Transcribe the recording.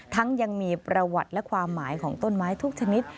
ยังมีประวัติและความหมายของต้นไม้ทุกชนิด